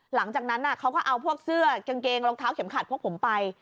หลังจากนั้นเขาก็เอาพวกเสื้อกางเกงรองเท้าเข็มขัดพวกผมไป